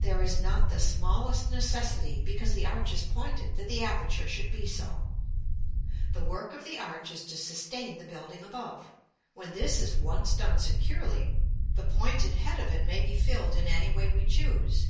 There is not the smallest necessity, because the arch is pointed, that the aperture should be so. The work of the arch is to sustain the building above; when this is once done securely, the pointed head of it may be filled in any way we choose.